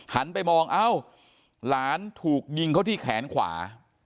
หันไปมองเอ้าหลานถูกยิงเขาที่แขนขวา